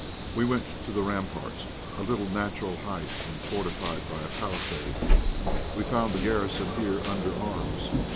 We went to the ramparts, a little natural height, and fortified by a palisade. We found the garrison here under arms.